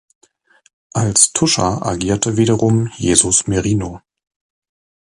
Als Tuscher agierte wiederum Jesus Merino.